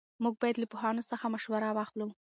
موږ باید له پوهانو څخه مشوره واخلو.